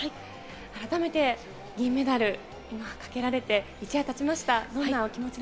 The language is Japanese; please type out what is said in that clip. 改めて銀メダルをかけられて一夜たちました。